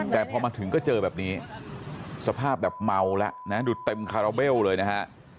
แต่พอมาถึงก็เจอแบบนี้สภาพแบบเมาแล้วนะดูเต็มคาราเบลเลยนะฮะ